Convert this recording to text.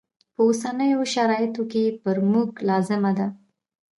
په اوسنیو شرایطو کې پر موږ لازمه ده.